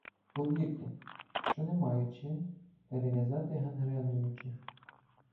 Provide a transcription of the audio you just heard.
— Повірте, що не маю чим перев'язати гангренуючих.